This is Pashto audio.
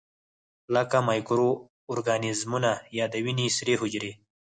لکه مایکرو ارګانیزمونه یا د وینې سرې حجرې.